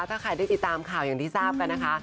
ถ้าใครได้ติดตามข่าวอย่างที่ทราบกันนะคะ